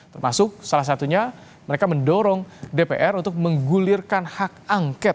termasuk salah satunya mereka mendorong dpr untuk menggulirkan hak angket